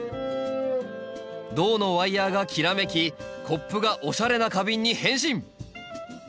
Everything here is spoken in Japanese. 銅のワイヤーがきらめきコップがおしゃれな花瓶に変身！